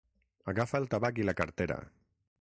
Agafa el tabac i la cartera.